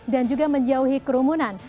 dan juga menjauhi kerumunan